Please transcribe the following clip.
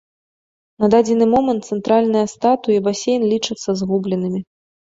На дадзены момант цэнтральная статуя і басейн лічацца згубленымі.